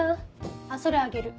あっそれあげる。